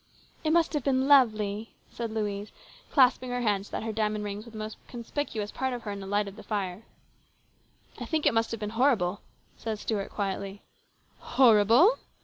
" It must have been lovely," said Louise, clasping her hands so that her diamond rings were the most conspicuous part of her in the light of the fire. " I think it must have been horrible," said Stuart quietly. " Horrible